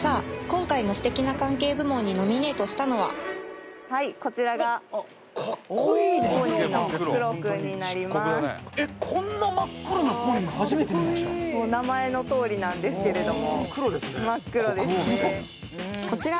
今回のステキな関係部門にノミネートしたのははいこちらがかっこいいね名前のとおりなんですけれども真っ黒ですね